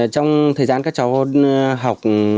trong thời gian các cháu học